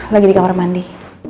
lagi di kamar mandi